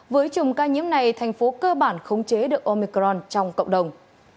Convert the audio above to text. với chùm ca nhiễm này thành phố cơ bản khống chế được omicron trong cộng đồng